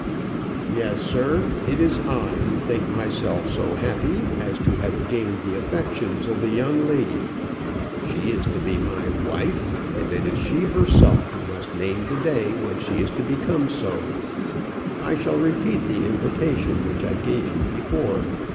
"Yes, sir. It is I who think myself so happy as to have gained the affections of the young lady. She is to be my wife, and it is she herself who must name the day when she shall become so. I repeat the invitation which I gave you before.